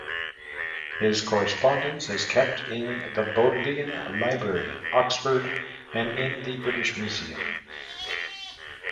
His correspondence is kept in the Bodleian Library, Oxford and in the British Museum.